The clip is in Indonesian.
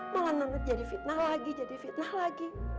mau nanti jadi fitnah lagi jadi fitnah lagi